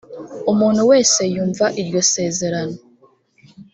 umuntu wese yumva iryo sezerano